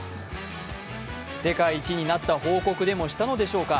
世界一になった報告でもしたのでしょうか。